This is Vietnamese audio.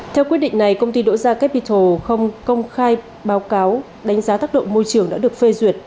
theo quyết định này công ty đỗ gia capital không công khai báo cáo đánh giá tác động môi trường đã được phê duyệt